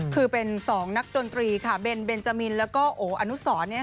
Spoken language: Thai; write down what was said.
คือเป็น๒นักดนตรีค่ะเบนเบนจามินแล้วก็โออนุสร